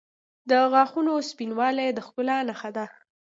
• د غاښونو سپینوالی د ښکلا نښه ده.